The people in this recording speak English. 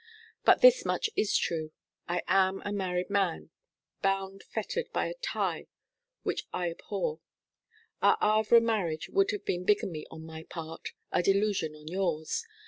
But this much is true. I am a married man bound, fettered by a tie which I abhor. Our Havre marriage would have been bigamy on my part, a delusion on yours.